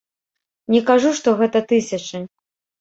Не кажу, што гэта тысячы.